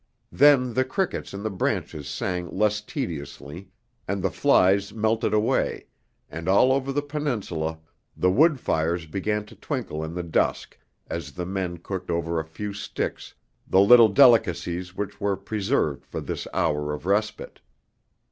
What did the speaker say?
Then the crickets in the branches sang less tediously, and the flies melted away, and all over the Peninsula the wood fires began to twinkle in the dusk, as the men cooked over a few sticks the little delicacies which were preserved for this hour of respite.